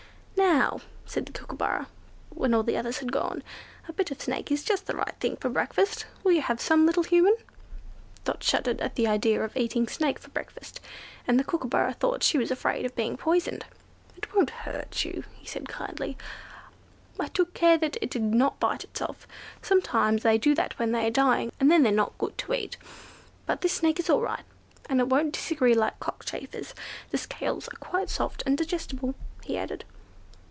"Now," said the Kookooburra, when all the others had gone, "a bit of snake is just the right thing for breakfast. Will you have some, little Human?" Dot shuddered at the idea of eating snake for breakfast, and the Kookooburra thought she was afraid of being poisoned. "It won't hurt you," he said, kindly, "I took care that it did not bite itself. Sometimes they do that when they are dying, and then they're not good to eat. But this snake is all right, and won't disagree like cockchafers: the scales are quite soft and digestible," he added.